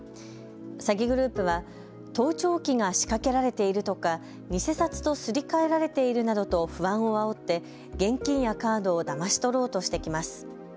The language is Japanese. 詐欺グループは盗聴器が仕掛けられているとか偽札とすり替えられているなどと不安をあおって現金やカードをだまし取ろうとしてきます。